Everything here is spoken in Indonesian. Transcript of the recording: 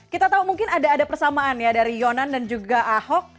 kita tahu mungkin ada persamaan ya dari yonan dan juga ahok